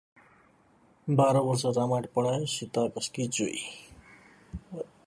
बारह बर्ष रामायण पडायो सीता कास्की जोइ